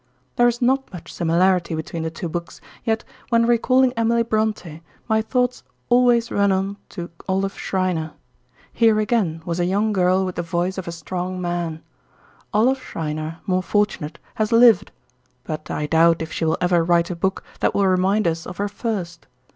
There is not much similarity between the two books, yet when recalling Emily Bronte my thoughts always run on to Olive Schreiner. Here, again, was a young girl with the voice of a strong man. Olive Schreiner, more fortunate, has lived; but I doubt if she will ever write a book that will remind us of her first.